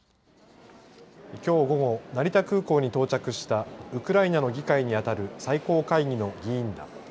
きょう午後成田空港に到着したウクライナの議会に当たる最高会議の議員団。